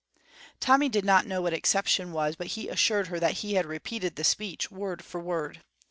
Tommy did not know what exception was, but he assured her that he had repeated the speech, word for word.